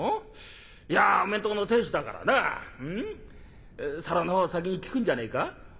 いやお前んとこの亭主だからな皿のほうを先に聞くんじゃねえか？」。